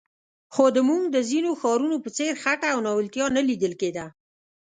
خو د زموږ د ځینو ښارونو په څېر خټه او ناولتیا نه لیدل کېده.